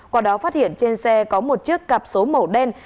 qua đó phát hiện trên xe có một chiếc cặp số màu đen